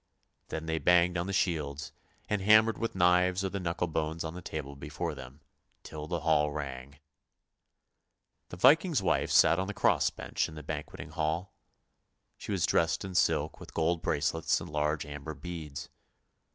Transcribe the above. " Then they banged on the shields, and hammered with knives or the knuckle bones on the table before them, till the hall rang. The Viking's wife sat on the cross bench in the banqueting hall. She was dressed in silk with gold bracelets and large amber beads.